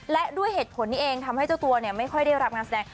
และด้วยเหตุผลนี้เองทำให้เจ้าตัวไม่ค่อยได้รับงานแสดง